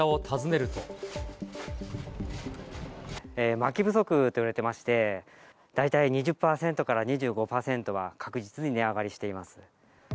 まき不足といわれてまして、大体２０％から２５％は確実に値上がりしています。